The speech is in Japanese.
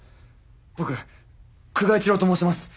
僕久我一郎と申します。